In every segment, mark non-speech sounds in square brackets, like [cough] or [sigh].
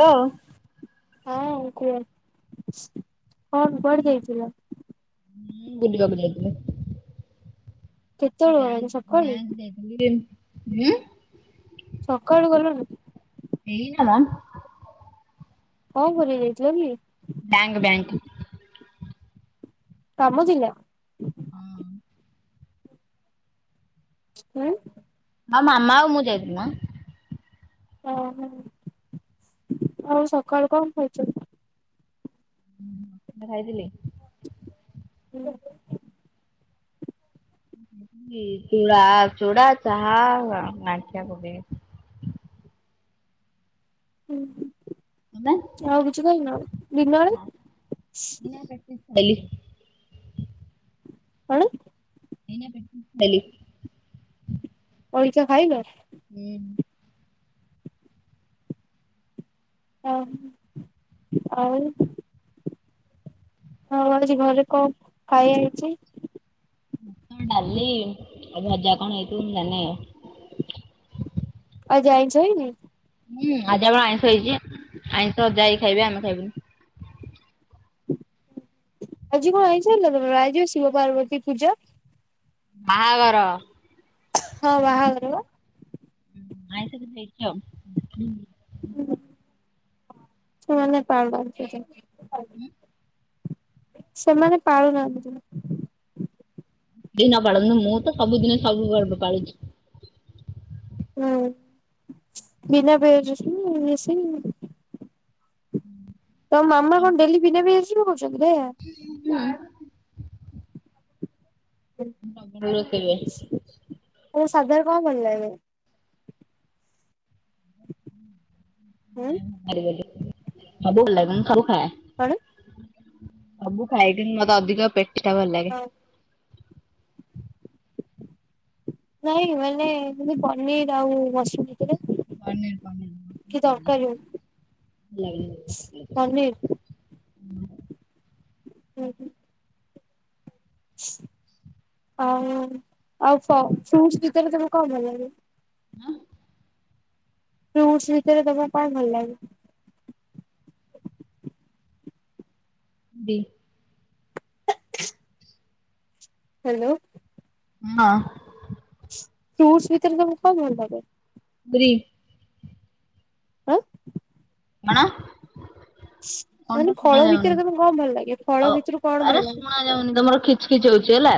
ବୋ ହଁ କୁହ। କଣ କୁଆଡେ ଯାଇଥିଲ? ହୁଁ, ବୁଲିବାକୁ ଯାଇଥିଲେ। କେତେବେଳୁ ଗଲଣି ସକାଳୁ? [unintelligible] ସକାଳୁ ଗଲୁନି [unintelligible] କଣ କରିବାକୁ ଯାଇଥିଲ କି? Bank bank. କାମ ଥିଲା? ଉଁ ମ ମାମା ଆଉ ମୁଁ ଯାଇଥିଲୁ ନା। ଅ ହ ଆଉ ସକାଳୁ କଣ ଖାଇଚ? ଖାଇଥଲେ [unintelligible] ହୁଁ। [unintelligible] ଉ ତମେ? ହୁଁ ଆଉ କିଛି କହିନ ଆଉ ଦିନବଳେ? ନା ସେଟି ଡାଲି କଣ? ଏଇନେ [inaudible] [unintelligible] ଅଇଖା ଖାଇଲ? ହୁଁ। [unintelligible] ଆଉ ହଁ ଆଜି ଘରେ କଣ ଖାଇବା ହେଇଛି? କଣ ଡାଲି ଆଉ ଭଜା କଣ ହେଇଥିବ ଜାଣିନି ଆଉ। ଆଉ ଯାଇଛ ଆଇବି [unintelligible] ହୁଁ, ଆଜି ଆମ ଆଇଁଷ ହେଇଛି। ଆଇଁଷ ଯାଇ ଖାଇବେ ଆମେ ଖାଇବୁନି। ଆଜି କଣ ଆଇଁଷ ହେଇଛି ତମର ଆଜି ବା ଶିବ ପାର୍ବତୀ ପୂଜା। ବାହାଘର। ହଁ ବାହାଘର ପା। ହୁଁ, ଆଇଁଷ ବି ହେଇଛି ଆଉ। ହଁ ସେମାନେ ପବ। [unintelligible] [unintelligible] ସେମାନେ ପାଳି ନାହାନ୍ତି ଦିନେ। କେହି ନ ପାଳନ୍ତୁ ମୁଁ ତ ସବୁଦିନ ସବୁ ପର୍ବ ପାଳୁଛି। ହୁଁ ବିନା [inaudible] ବେ। ତ ମାମା କଣ ଡେଲି ବିନା ପିଆଜ ରସୁଣରେ କରୁସନ୍ତି [inaudible] ବି ଆସିବ କହୁଛନ୍ତି ହେ। ହଁ। ପ୍ରବ ରଖେଇବେ। ତୋ ସାଦାରେ କଣ କରିବା ଏବେ? ହଁ। [inaudible] ହଁ ଭଲଲାଗେ ମୁଁ ସବୁ ଖାଏ। କଣ। ସବୁ ଖାଏ କିନ୍ତୁ ମତେ ଅଧିକ ପେଟିଟା ଭଲ ଲାଗେ। ନାଇଁ ମାନେ ଏମତି ପନିର ଆଉ ମସଲି। ପନିର ପନିର କି ତରକାରୀ ଭଲ ଲାଗେନି। ହଉ ପନିର। ହୁଁ। ଆ ଆଉ ଫ୍ରୁଟସ ଭିତରେ ତମକୁ କଣ ଭଲ ଲାଗେ? ହଁ। ଫ୍ରୁଟସ ଭିତରେ ତମକୁ କଣ ଭଲ ଲାଗେ? ଡି। ହ୍ୟାଲୋ। ହଁ। ଫ୍ରୁଟ୍ସ ଭିତରେ ତମକୁ କଣ ଭଲ ଲାଗେ? ଫ୍ରି। ଆଁ। କଣ? କଣଟା ମାନେ ଶୁଣା ଫଳ ଯାଉନି ଭିତରେ ତମେ କଣ ଭଲ ଲାଗେ ଫଳ ଆଉ ଭିତରୁ କଣ ଆରେ ଭଲ ଲାଗେ। ଶୁଣା ଯାଉନି ତମର ଖିଚ ଖିଚ ହଉଛି ହେଲା।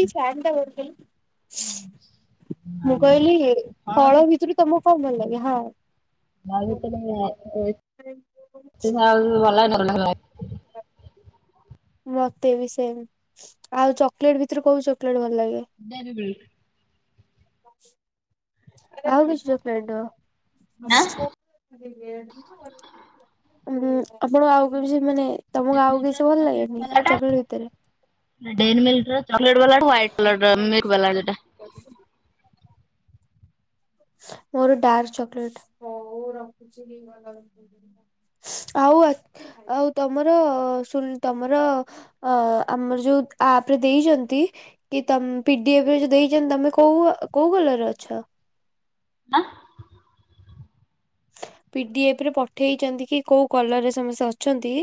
ଏଇ ଫ୍ୟାନ୍ଟା ବନ୍ଦ କଲ ମୁଁ କହିଲି ଫଳ ଭିତରୁ ତମଁ କଣ ଭଲ ଲାଗେ ହଁ। ଭ ଭ ଭ। [unintelligible] ମତେ ବି ସେମ ଆଉ ଚକୋଲେଟ ଭିତରୁ କୋଉ ଚକୋଲେଟ ଭଲ ଲାଗେ? ଦେରିବେ। ଆ କି ଫେଣ୍ଡ। [inaudible] ହଁ ଆପଣ ଆଉ କି ସେ ମାନେ। [inaudible] ତମକୁ ଆଉକୁ କିଛି ଭଲ ଲାଗେନି ଚକଲେଟ ଭିତରେ? ଡେରିମିଲକ ମି ଚ ଚାଟ ବଲାଡ ହାଇଟ କଲଡ଼ ମିର୍ ବଲାଲା। ମୋର ଷ୍ଟାର ଚକ୍‌ଲେଟ। ଆଉ ଆ ଆଉ ତମର ସୁଲ ତମର। ଅ ଆମର ଯୋଉ ଆପରେ ଦେଇଛନ୍ତି। କି ତମ ପିଡିଏଫରେ ଯୋଉ ଦେଇଛନ୍ତି ତମେ କୋଉ କୋଉ କଲର ଅଛ? ନା ପିଡିଏଫରେ ପଠେଇଛନ୍ତି କି କୋଉ କଲରରେ ସମସ୍ତେ ଅଛନ୍ତି?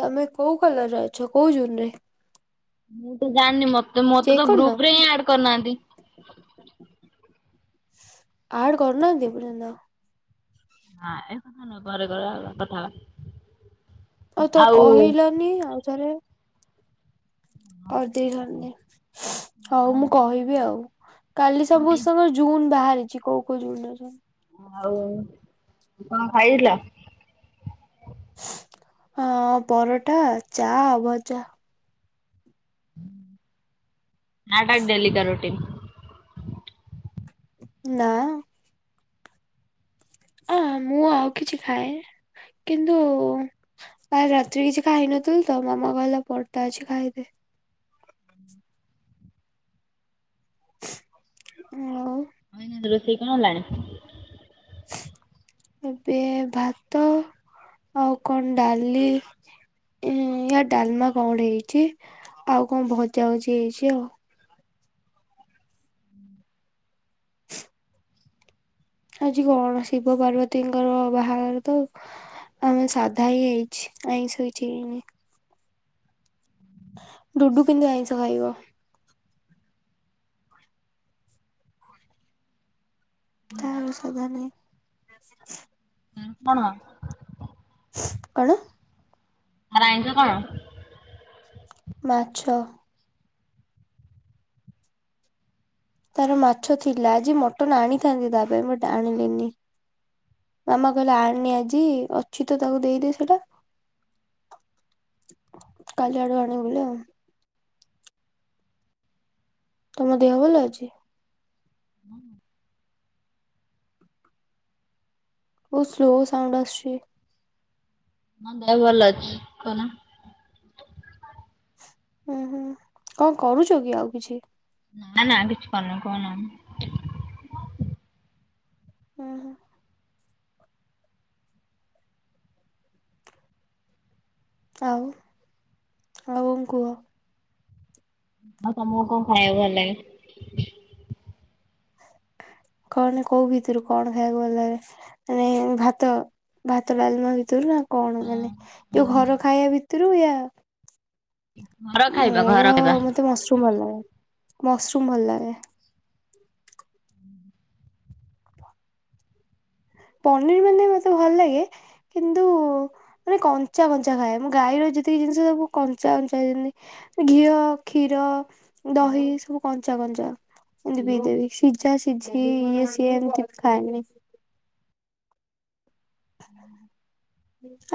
ତମେ କୋଉ କଲରରେ ଅଛ କୋଉ ଜୁନରେ? ମୁଁ ତ ଜାଣିନି ମତେ ମୋତେ ତ କରିନ? ଗ୍ରୁପ ରେ ହିଁ ଆଡ୍ କରିନାହାନ୍ତି? ଆଡ କରୁନାହାନ୍ତି ଏପର୍ଯ୍ୟନ୍ତ? ହଁ ଏ କଥା ନ ଘରେ ଘରେ କଥାହବା। ଆଉ ତ କହିଲନି ଆଉ ଥରେ। [unintelligible] ହଉ ମୁଁ କହିବି ଆଉ, କାଲି ସବୁ [unintelligible] ଜୁନ୍ ବାହାରିଚି କୋଉ-କୋଉ [unintelligible] ଆଉ କଣ ଖାଇଲ? ହଁ ପରଟା, ଚା, ଭଜା। ଚା ଟା ଡେଲିକା ରୁଟିନ୍। ନାଁ। ଅଁ ମୁଁ ଆଉ କିଛି ଖାଏ କିନ୍ତୁ କାଲି ରାତିରେ କିଛି ଖାଇନଥିଲି ତ, ମାମା କହିଲା ପରଟା ଅଛି ଖାଇଦେ। [unintelligible] [unintelligible] ରୋଷେଇ କଣ ହେଲାଣି? ଏବେ ଭାତ ଆଉ କଣ ଡାଲି ଉଁ ୟା ଡାଲମା କଣ ଗୋଟେ ହେଇଚି, ଆଉ କଣ ଭଜା ଭଜି ହେଇଚି ଆଉ। ଆଜି କଣ ଶିବ ପାର୍ବତୀଙ୍କର ବାହାଘର ତ। ଆମର ସାଧା ହିଁ ହେଇଛି, ଆଇଁଷ କିଛି ହେଇନି। ଡୁଡୁ କିନ୍ତିୁ ଆଇଁଷ ଖାଇବ। ତାର ସାଧା ନାହିଁ। କାଙ୍କଣ କଣ? [unintelligible] ଆଇଁଷ କଣ? ମାଛ। ତାର ମାଛ ଥିଲା, ଆଜି ମଟନ ଆଣିଥାନ୍ତି ତା ପାଇଁ ବଟ୍ ଆଣିଲିନି। ମାମା କହିଲା ଆଣେନୀ ଆଜି ଅଛି ତ ତାକୁ ଦେଇଦେ ସେଇଟା। କାଲି ଆଡୁ ଆଣିବୁ ବୋଲି ଆଉ। ତମ ଦେହ ଭଲ ଅଛି? ବହୁତ୍ ସ୍ଲୋ ସାଉଣ୍ଡ ଆସୁଛି। ହଁ ଦେହ ଭଲ ଅଛି, କହୁନ। ହୁଁ-ହୁଁ, କଣ କରୁଚ କି ଆଉ କିଛି? ନା-ନା ଆଉ କିଛି କରୁନି, କହୁନାହାନ୍ତି। ହୁଁ। ଆଉ, ଆଉ କଣ କୁହ। ଆଉ ତମୁକୁ କଣ ଖାଇବାକୁ ଭଲ ଲାଗେ? କଣ କୋଉ ଭିତୁରୁ କଣ ଖାଇବାକୁ ଭଲ ଲାଗେ? ମାନେ ଭାତ-ଭାତ ଡାଲମା ଭିତୁରୁ ନା କଣ ମାନେ ଯୋଉ ଘର ଖାଇଆ ଭିତୁରୁ ୟା ଘର ଖାଇବା ମୋର ଘର ଖାଇବା। [unintelligible] ଭଲ ଲାଗେ, ମସରୁମ୍ ଭଲ ଲାଗେ। ପନିର୍ ମାନେ ମତେ ଭଲ ଲାଗେ, କିନ୍ତୁ ମାନେ କଞ୍ଚା-କଞ୍ଚା ଖାଏ, ମୁଁ ଗାଈର ଯେତିକି ଜିନିଷ ସବୁ କଞ୍ଚା-କଞ୍ଚା ଯେନ୍ତି ଘିଅ, କ୍ଷୀର, ଦହି ସବୁ କଞ୍ଚା-କଞ୍ଚା। ଏନ୍ତି ପି ଦେବି, ସିଝା ସିଝି ଇଏ ସିଏ ଏମ୍ତି ଖାଏନି।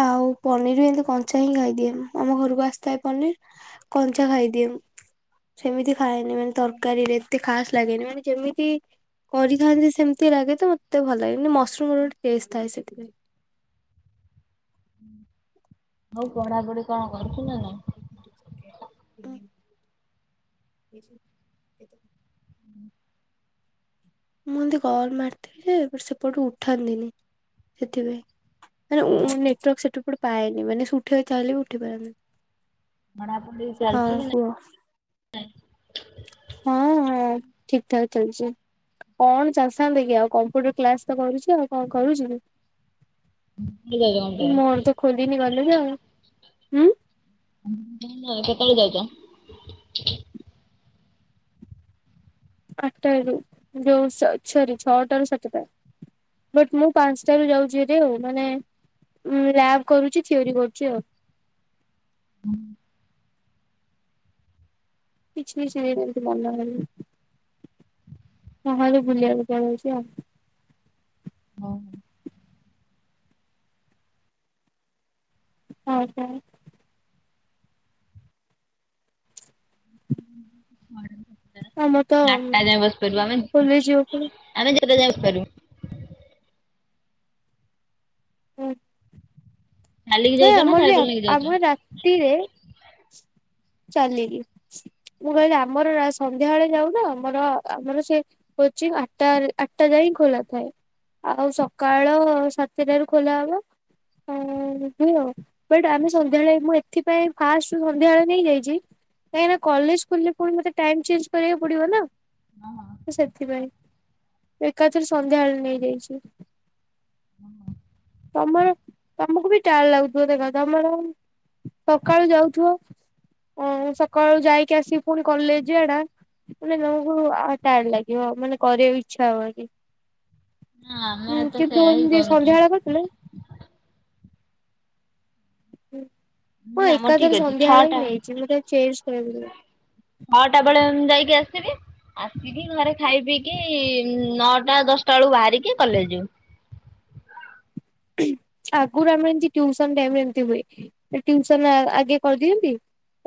ଆଉ ପନିର୍ ବି ଏମ୍ତି କଞ୍ଚା ହିଁ ଖାଇଦିଏ, ଆମ ଘରୁକୁ ଆସିଥାଏ ପନିର୍। କଞ୍ଚା ଖାଇଦିଏ। ସେମିତି ଖାଏନି ମାନେ ତରକାରୀରେ ଏତେ ଖାସ୍ ଲାଗେନି, ମାନେ ଯେମିତି କରିଥାଆନ୍ତି ସେମିତି ଲାଗେ ତ ମତେ ଭଲ ଲାଗେନି ମସ୍ରୁମ ର ଗୋଟେ ଟେଷ୍ଟ ଥାଏ ସେଥିପାଇଁ। ହଉ ପଢାପଢି କଣ କରୁଚୁ ନା ନାଇଁ? [inaudible] ଏଯ୍ କେତେ? [inaudible] ମୁଁ ଏମିତି କଲ୍ ମାରିଥିଲି ହେ ସେପଟୁ ଉଠାନ୍ତିନି ସେଥିପାଇଁ। ମାନେ ଉମ୍ ନେଟୱାର୍କ ସେଠୁ ପଟେ ପାଏନି ମାନେ ସେ ଉଠେବା ପାଇଁ ଚାହିଁଲେ ବି ଉଠେଇ ପାରନ୍ତିିନି। ମାନେ ଆପଣ ଠିକ୍ ଚାଲିଚି କି ନାଇଁ? ହଁ ଠିକ ଠାକ ଚାଲିଛି। କଣ ଚାଷାନ୍ତେ କି ଆଉ, କମ୍ପ୍ୟୁଟର କ୍ଲାସ ତ କରୁଛି ଆଉ କଣ କରୁଛି କି? ମୋର ତ ଖୋଲିନିି ଗଲିନି ଆଉ ହୁଁ। ହୁ ଆଉ କେତେବେଳେ ଯାଉଛ? ଆଠଟାରୁ ଯଉ ସ ସରି ଛଅଟାରୁ ସାତୁଟା। ବଟ୍ ମୁଁ ପାଞ୍ଚଟାରୁ ଯାଉଛିହାରି ଆଉ ମାନେ ମୁଁ ଲ୍ୟାବ୍ କରୁଛି ଥିଓରି କରୁଛି ଆଉ। ହଁ। କିଛିବି ସେନ ମତେ [inaudible] ବାହାରୁ ବୁଲିବାକୁ ପଳଉଚୁ ଆଉ। ହଉ ତାହେଲେ। [inaudible] ଆମର ତ ଆଠଟା ଯାଏଁ ବସିପାରିବୁ ଆମେ। କଲେଜ ଯିବାକୁ ପଡିବ। ଆମେ ଯେତେ ଯାଏଁ ବସି ପାରିମୁ। ହଁ। ଚାଲିକି ହେଁ ଯାଉଛ ନା ଆମର ବି ସାଇକେଲ ଆ ନେଇକି ଯାଉଛ? ଆମର ରାତିରେ ଚାଲିକି। ମୁଁ କହିଲି ଆମର ସନ୍ଧ୍ୟାବେଳେ ଯାଉ ନା ଆମର ଆମର ସେ କୋଚିଂ ଆଠଟାରେ ଆଠଟା ଯାଏଁ ହିଁ ଖୋଲା ଥାଏ। ଆଉ ସକାଳ ସାତଟାରୁ ଖୋଲା ହବ। ଆଁ ହୁଅ ବଟ୍ ଆମେ ସନ୍ଧ୍ୟାବେଳେ ମୁଁ ଏଥିପାଇଁ ଫାଷ୍ଟରୁ ସନ୍ଧ୍ୟାବେଳେ ନେଇଯାଇଛି କାହିଁକି ନା କଲେଜ ଖୋଲିଲେ ପୁଣି ମତେ ଟାଇମ୍ ଚେଞ୍ଜ କରିବାକୁ ପଡିବ ନା। ତ ସେଥିପାଇଁ ମୁଁ ଏକାଥରେ ସନ୍ଧ୍ୟାବେଳେ ନେଇଯାଇଛି। ତମର ତମକୁ ବି ଟାଏଡ୍ ଲାଗୁଥିବ ଦେଖ ତମର ସଖାଳୁ ଯାଉଥିବ ଓ ସକାଳୁ ଯାଇକି ଆସିକି ପୁଣି କଲେଜ ଜିବାଟା ମାନେ ତମକୁ ଆ ଟାୟାଡ୍ ଲାଗିବ ମାନେ କରିବାକୁ ଇଚ୍ଛା ହବନି। ନା ଆମେ ହୁଁ ତ ସେୟା କିନ୍ତୁ ହିଁ ଏମିତି କରୁଛୁ। ସନ୍ଧ୍ୟା ବଳେ କରିଥିଲେ। ହୁଁ ମୁଁ ନା ଆମର ଠିକ ଏକାଥରେ ଅଛି ସନ୍ଧ୍ୟା ବେଳେ ଛଅଟା ନେଇଛି ମତେ ଆଉ ଚେଞ୍ଜ କରିବିନି। ନଅଟା ବେଳେ ଯାଇକି ଆସିବି। ଆସିକି ଘରେ ଖାଇ ପିଇକି ନଅଟା ଦଶଟା ବେଳକୁ ବାହାରିକି କଲେଜ ଯିବୁ। ଆଗରୁ ଆମେ ଏମତି ଟିଉସନ୍ ଟାଇମରେ ଏମତି ହୁଏ। ଟିଉସନ ଆ ଆଗେ କରିଦିଅନ୍ତି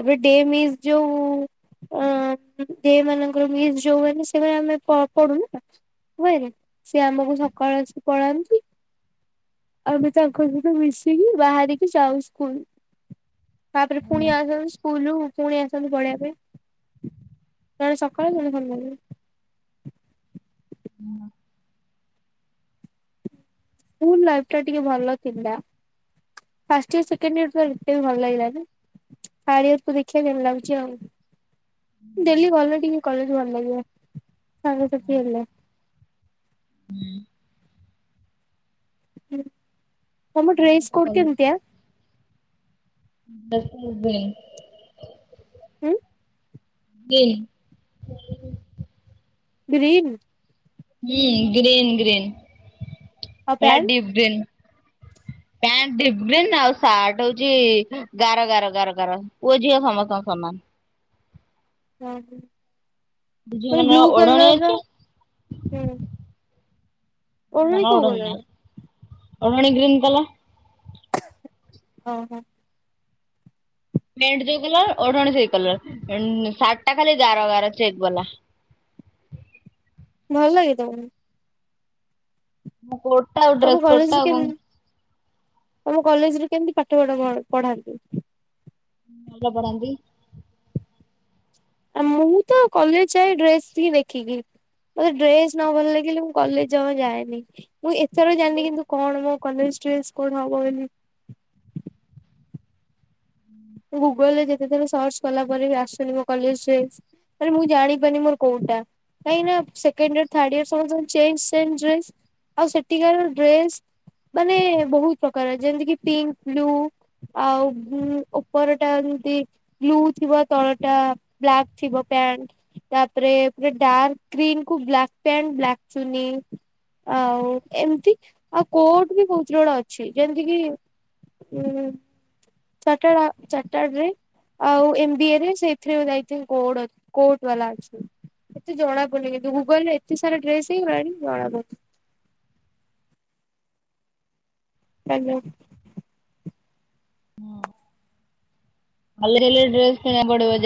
ଏଵେ ଡେ ମିସ୍ ଯଉ ଆଁ ଦେ ମାନଙ୍କର ମିସ୍ ଯଉ ଆମ ସେମା ଆମେ ପ ପଡୁନୁନା। ହୁଏନା। ସିଏ ଆମକୁ ସକାଳେ ଆସି ପଳାନ୍ତି। ଆମେ ବି ତାଙ୍କ ସହିତ ମିଶିକି ବାହାରିକି ଯାଉ ସ୍କୁଲ। ତାପରେ ଫୁଣି ଆସନ୍ତ ସ୍କୁଲରୁ ପୁଣି ଆସନ୍ତି ପଢେଇବା ପାଇଁ। ଜଣେ ସକାଳେୁ ଜଣେ ସନ୍ଧ୍ୟାବେଳୁ। ସ୍କୁଲ୍ ଲାଇଫ୍ ଟା ଟିକେ ଭଲ ଥିଲା। ଫାର୍ଷ୍ଟ ୟର୍ ସେକେଣ୍ଡ ୟର କଣ ଗୋଟେ ବି ଭଲ ଲାଗିଲାନି। ଥାର୍ଡୟର କୁ ଦେଖିବା କେମିତି ଲାଗୁଛି ଆଉ। ଡେଲି ଗଲେ ଟିକେ କଲେଜ ଭଲ ଲାଗିବ ସାଙ୍ଗସାଥି ହେଲେ ହୁଁ ହୁଁ ତମ ଡ୍ରେସ୍ କୋଟ କେମିତିଆ? [unintelligible] ଜିବେ ହୁଁ କିଏ? ଗ୍ରୀନ୍ ହୁଁ ଗ୍ରୀନ୍ ଗ୍ରୀନ୍ ଆଉ ପାଲ pant deep green pant deep green ଆଉ ସାର୍ଟ ହଉଛି ଗାର ଗାର ଗାର ଗାର ପୁଅ ଝିଅ ସମସ୍ତଙ୍କ ସମାନ ହୁଁ ଝିଅ ମାନେ ବ୍ଲୁ ମାନଙ୍କର ଉ ଓଢଣୀ କଲର ର ଅଛି ହୁଁ ହ ଓଢଣୀ ମାନ ଓ କୋଉ ଢଣା କଲର ଓଢଣୀ ଗ୍ରିନ୍‌ କଲରର ଓହୋ ପେଣ୍ଟ ଯେଉ କଲର ଓ ଢଣୀ ସେଇ କଲର ଉ ସାର୍ଟ ଟା ଖାଲି ଗାର ଗାର ଚେକ୍ ବାଲା ଭଲ ଲାଗେ ତମ କୁ ମୋ କୋଟ ଟା ଆଉ ତମ ଡ୍ରେସ କୋଟ କଲେଜରେ ଆଉ କ କେମି ତମ କଲେଜରେ କେମିତି ପାଠ ପାଠ ପଢାନ୍ତି? ଭଲ ପଢାନ୍ତି। ଆ ମୁଁ ତ କଲେଜ ଯାଏ ଡ୍ରେସ ଟିକେ ଦେଖିକି ମୋତେ ଡ୍ରେସ ନ ଭଲ ଲାଗିଲେ ମୁଁ କଲେଜ ଯମା ଯାଏନି ମୁଁ ଏଥର ଜାଣିଲି କିନ୍ତୁ କଣ ମୋ କଲେଜ ଡ୍ରେସ କଣ ହବ ବୋଲି ଗୁଗଲ ରେ ଯେତେ ଥର ସର୍ଚ୍ଚ କଲା ପରେ ବି ଆସୁନି ମୋ କଲେଜ ଡ୍ରେସ୍‌ ମାନେ ମୁଁ ଜାଣିପାରୁନି ମୋର କୋଉଟା କାହଁକିନା ସେ କେଣ୍ଡଇୟର ଥଡ ଇୟର ସବୁ ସେମ। ସେ ମ ଡ୍ରେସ ଆଉ ସେଠିକାର ଡ୍ରେସ ମାନେ ବହୁତ ପ୍ରକାର ଯେମିତିକି ପିଙ୍କ, ବ୍ଲୁ ଉ ଆଉ ବୁ-ଉ ଉପରଟା ଯେମତି ବ୍ଲୁ ଥିବ ତଳଟା ବ୍ଲାକ୍ ଥିବ ପ୍ୟାଣ୍ଟ ତାପରେ ପୁରା ଡ୍ରାକ ଗ୍ରୀନ୍‌ କୁ ବ୍ଲାକ ପ୍ୟାଣ୍ଟ୍ କୁ ବ୍ଲାକ୍ ଚୁନି ଆଉ ଏମିତି ଆଉ କୋଟ ବି କହୁତ ଜଣ ଅଛି ଯେମିତି କି ହୁଁ ଚାଟେଲା ଚାଟା ଗ୍ରୀ ଆଉ ଏମ ବି ଏ ରେ ସେଥିରେ ଯାଇଥିଲି କୋଡ଼ କୋଡ଼ ବାଲା ଅଛି। ଏତେ ଜଣା ପଡ଼ୁନି କିନ୍ତୁ ଗୁଗଲରେ ଏତ ସାରା ଡ୍ରେସ ହେଇଗଲାଣି ଜଣା ପନି ହାଲୋ ଅଲେ ଗଲେ ଡ୍ରେସ୍ କିଣିବାକୁ ପଡିବ ଯେ